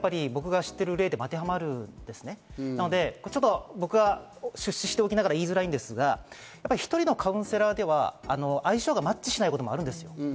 森さんが示されたサインが４つありますけど、僕は出資しておきながら言いづらいんですが、１人のカウンセラーでは相性がマッチしないこともあるんです。